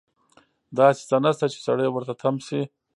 داسې څه نشته چې سړی ورته تم شي.